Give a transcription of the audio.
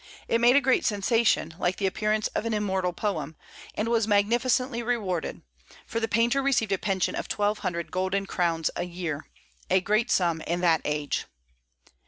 It made a great sensation, like the appearance of an immortal poem, and was magnificently rewarded; for the painter received a pension of twelve hundred golden crowns a year, a great sum in that age.